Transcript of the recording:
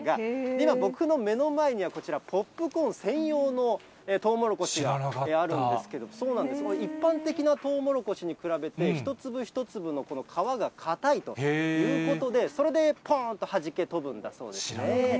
今、僕の目の前には、こちら、ポップコーン専用のトウモロコシがあるんですけれども、一般的なトウモロコシに比べて、一粒一粒の皮が硬いということで、それでぽーんとはじけ飛ぶんだそうです。